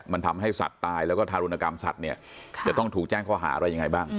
มันทำให้สัตว์ตายแล้วก็ทารุณกรรมสัตว์เนี่ยจะต้องถูกแจ้งข้อหาอะไรยังไงบ้าง